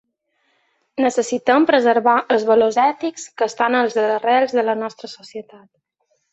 Necessitem preservar els valors ètics que estan a les arrels de la nostra societat.